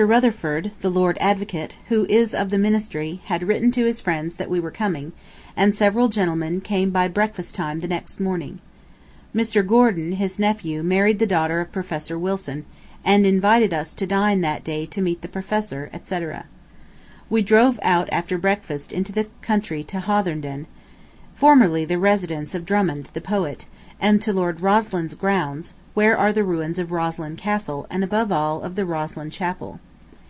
Rutherford, the Lord Advocate, who is of the Ministry, had written to his friends that we were coming, and several gentlemen came by breakfast time the next morning. Mr. Gordon, his nephew, married the daughter of Prof. Wilson, and invited us to dine that day to meet the professor, etc. ... We drove out after breakfast into the country to Hawthornden, formerly the residence of Drummond the poet, and to Lord Roslin's grounds, where are the ruins of Roslin Castle and above all, of the Roslin Chapel.